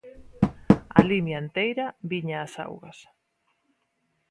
A Limia enteira viña ás augas.